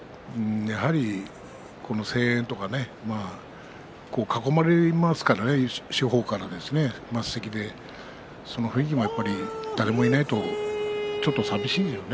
やはり声援とか囲まれますからね、四方から升席で誰もいないとちょっとさみしいよね。